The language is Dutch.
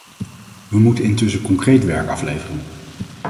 We moeten intussen concreet werk afleveren.